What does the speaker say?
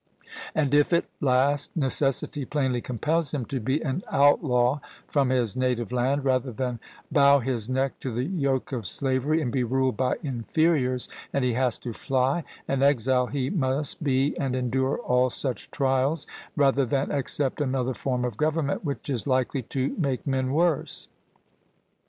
And if at last necessity plainly compels him to be an outlaw from his native land, rather than bow his neck to the yoke of slavery and be ruled by inferiors, and he has to fly, an exile he must be and endure all such trials, rather than accept another form of government, which is likely to make men worse.